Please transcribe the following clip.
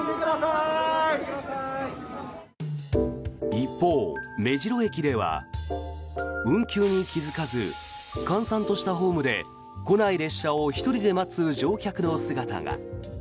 一方、目白駅では運休に気付かず閑散としたホームで来ない列車を１人で待つ乗客の姿が。